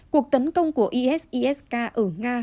cuộc tấn công của isis k ở nga